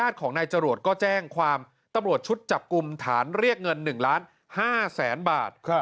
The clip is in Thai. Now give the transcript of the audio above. ตำรวจก็แจ้งความตำรวจชุดจับกุมฐานเรียกเงิน๑๕๐๐๐๐๐บาท